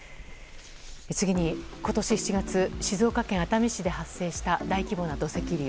次に、今年７月静岡県熱海市で発生した大規模な土石流。